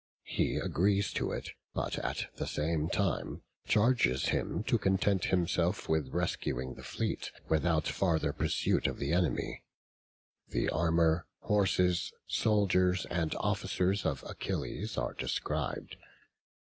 He agrees to it, but at the same time charges him to content himself with rescuing the fleet, without farther pursuit of the enemy. The armour, horses, soldiers, and officers of Achilles are described.